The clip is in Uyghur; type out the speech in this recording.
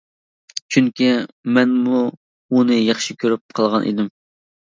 چۈنكى مەنمۇ ئۇنى ياخشى كۆرۈپ قالغان ئىدىم.